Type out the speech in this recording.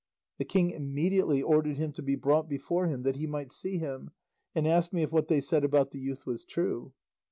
The king immediately ordered him to be brought before him that he might see him, and asked me if what they said about the youth was true.